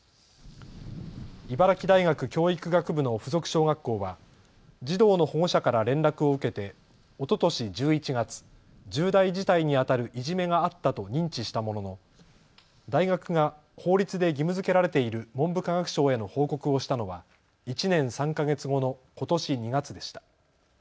茨城大学教育学部の附属小学校は児童の保護者から連絡を受けておととし１１月、重大事態にあたるいじめがあったと認知したものの大学が法律で義務づけられている文部科学省への報告をしたのは１年３か月後のことし２月でした。